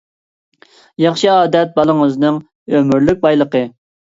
ياخشى ئادەت بالىڭىزنىڭ ئۆمۈرلۈك بايلىقى.